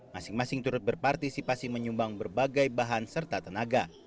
masing masing turut berpartisipasi menyumbang berbagai bahan serta tenaga